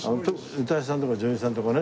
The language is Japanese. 歌い手さんとか女優さんとかね。